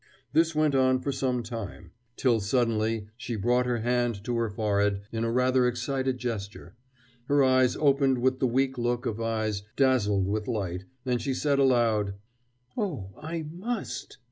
This went on for some time; till suddenly she brought her hand to her forehead in a rather excited gesture, her eyes opened with the weak look of eyes dazzled with light, and she said aloud: "Oh, I must!..."